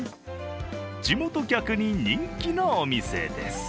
地元客に人気なお店です。